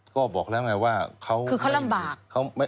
ก็บอกแล้วไงว่าเขาคือเขาลำบาก